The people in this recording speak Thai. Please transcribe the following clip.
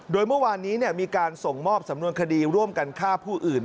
โดยเมื่อวานนี้มีการส่งมอบสำนวนคดีร่วมกันฆ่าผู้อื่น